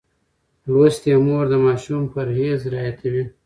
لوستې مور د ماشوم پرهېز رعایتوي.